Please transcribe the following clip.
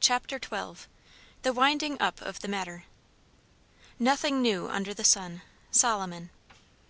CHAPTER XII. THE WINDING UP OF THE MATTER. Nothing new under the sun. SOLOMON.